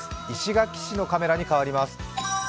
石垣市のカメラに変わります。